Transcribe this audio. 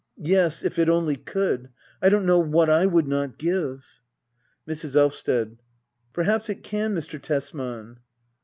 Yes, if it only could ! I don't know what I would not give Mrs. Elvsted. Perhaps it can, Mr. Tesman.